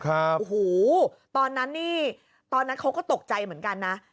โอ้โฮตอนนั้นเขาก็ตกใจเหมือนกันนะ